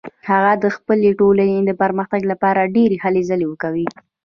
هغه د خپلې ټولنې د پرمختګ لپاره ډیرې هلې ځلې کوي